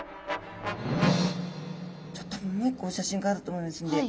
ちょっともう一個お写真があると思いますので。